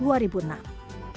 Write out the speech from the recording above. anur gewang cnn indonesia